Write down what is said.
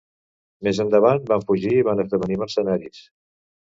Més endavant, van fugir i van esdevenir mercenaris.